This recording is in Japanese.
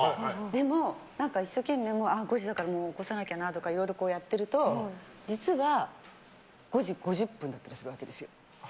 でも一生懸命、５時だからもう起こさなきゃなとかいろいろやってると実は、５時５０分だったりするわけですよ。